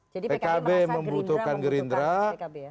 jadi pkb merasa gerindra membutuhkan pkb ya